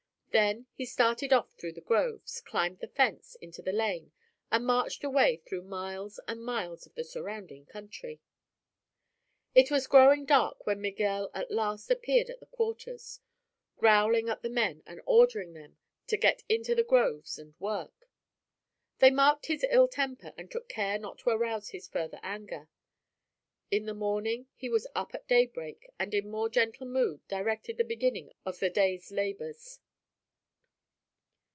Then he started off through the groves, climbed the fence into the lane and marched away through miles and miles of the surrounding country. It was growing dark when Miguel at last appeared at the quarters, growling at the men and ordering them to get into the groves and work. They marked his ill temper and took care not to arouse his further anger. In the morning he was up at daybreak and in more gentle mood directed the beginning of the day's labors.